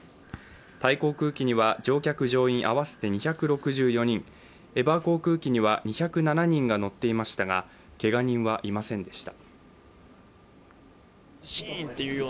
タイ航空機には乗客・乗員合わせて２６４人、エバー航空機には２０７人が乗っていましたが、けが人はいませんでした。